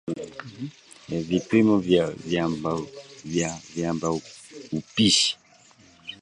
Vipimo vya Viambaupishi